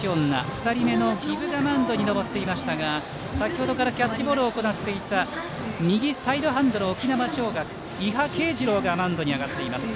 ２人目の儀部がマウンドに登っていましたが先ほどからキャッチボールを行っていた右サイドハンドの沖縄尚学、伊波慶治朗がマウンドに上がっています。